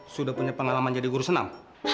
sudah punya pengalaman jadi guru senam